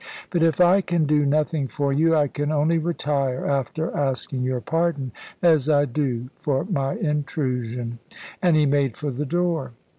But if I can do nothing for you, I can only retire, after asking your pardon as I do for my intrusion"; and he made for the door.